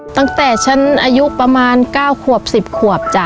ตั้งแต่ฉันอายุประมาณ๙ขวบ๑๐ขวบจ้ะ